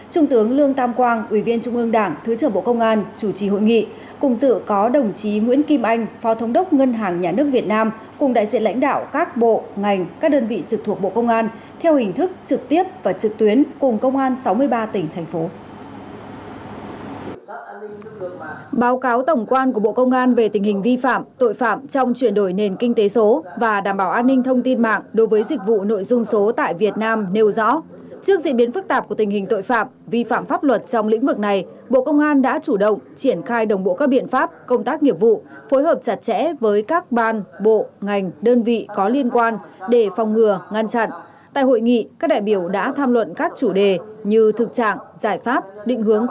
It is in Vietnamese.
trung tướng lương tam quang ủy viên trung ương đảng thứ trưởng bộ công an chủ trì hội nghị cùng dựa có đồng chí nguyễn kim anh phó thống đốc ngân hàng nhà nước việt nam cùng đại diện lãnh đạo các bộ ngành các đơn vị trực thuộc bộ công an theo hình thức trực tiếp và trực tuyến cùng công an sáu mươi ba tỉnh thành phố